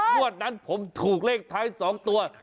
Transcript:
วันนั้นผมถูกเลขท้าย๒ตัว